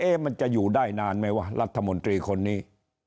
มันจะอยู่ได้นานไหมวะรัฐมนตรีคนนี้